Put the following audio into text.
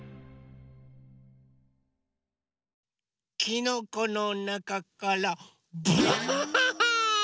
きのこのなかからばあっ！